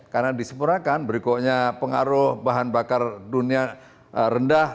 karena disepurakan berikutnya pengaruh bahan bakar dunia rendah